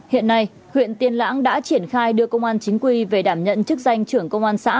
hiện nay huyện tiên lãng đã triển khai đưa công an chính quy về đảm nhận chức danh trưởng công an xã